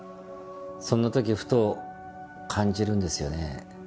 そんな時ふと感じるんですよね。